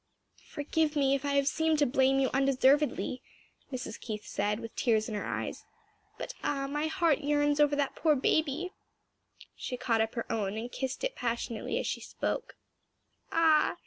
"Forgive me if I have seemed to blame you undeservedly," Mrs. Keith said with tears in her eyes; "but ah, my heart yearns over that poor baby!" She caught up her own and kissed it passionately as she spoke. "Ah!"